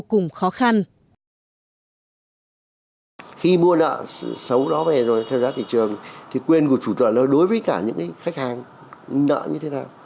khi mua nợ xấu đó về rồi theo giá thị trường thì quyền của chủ tượng là đối với cả những khách hàng nợ như thế nào